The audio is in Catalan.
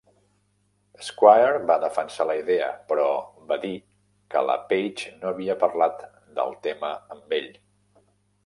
Squire va defensar la idea però va dir que la Page no havia parlat del tema amb ell.